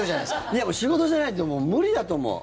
いや、もう仕事じゃないと無理だと思う。